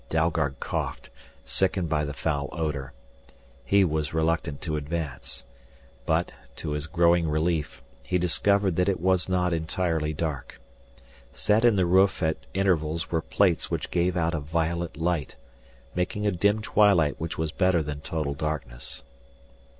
Dalgard coughed, sickened by the foul odor. He was reluctant to advance. But, to his growing relief, he discovered that it was not entirely dark. Set in the roof at intervals were plates which gave out a violet light, making a dim twilight which was better than total darkness.